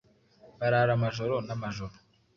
barara amajoro n’amajoro